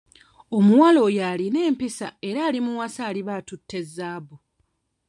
Omuwala oyo alina empisa era alimuwasa aliba atutte zaabu.